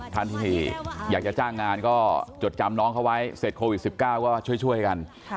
ท่านที่อยากจะจ้างงานก็จดจำน้องเขาไว้เสร็จโควิด๑๙ก็ช่วยกัน